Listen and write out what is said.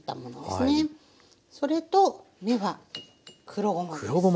それと目は黒ごまです。